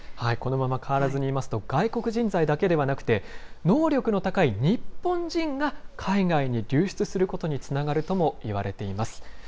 このまま変わらずにいますと、外国人材だけではなくて、能力の高い日本人が海外に流出することにつながるともいわれています。